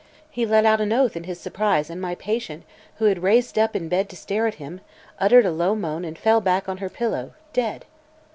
He let out an oath in his surprise and my patient, who had raised up in bed to stare at him, uttered a low moan and fell back on her pillow, dead.